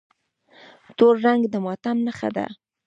تور رنګ د ماتم نښه ده.